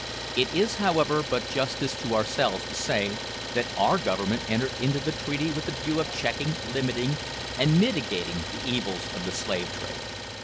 It is, however, but justice to ourselves to say, that our Government entered into the treaty with the view of checking, limiting, and mitigating the evils of the slave trade.